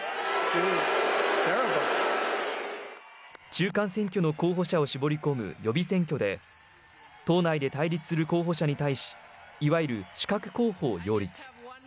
中間選挙の候補者を絞り込む予備選挙で党内で対立する候補者に対しいわゆる刺客候補を擁立。